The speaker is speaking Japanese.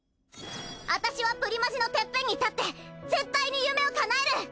私はプリマジのてっぺんに立って絶対に夢をかなえる！